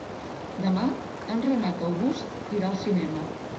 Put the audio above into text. Demà en Renat August irà al cinema.